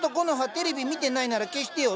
テレビ見てないなら消してよ。